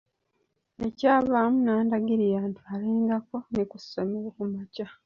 Ekyavaamu n'andagira ntwalengako ne ku ssomero kumakya.